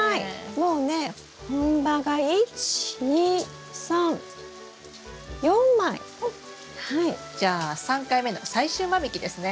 もうね本葉がおっじゃあ３回目の最終間引きですね。